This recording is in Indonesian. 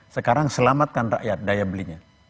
sekarang selamatkan rakyat daya belinya